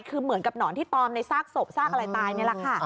คือเหมือนกับหนอนที่ตอมในซากศพซากอะไรตายนี่แหละค่ะ